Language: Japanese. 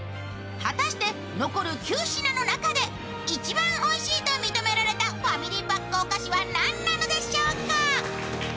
果たして残る９品の中で一番おいしいと認められたファミリーパックお菓子は何なのでしょうか？